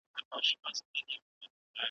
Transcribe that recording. او د هغه عالي مفاهیم .